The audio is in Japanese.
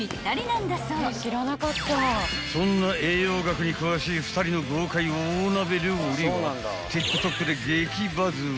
［そんな栄養学に詳しい２人の豪快大鍋料理はＴｉｋＴｏｋで激バズり］